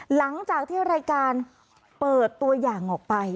หลังจากที่รายการเปิดตัวอย่างออกไป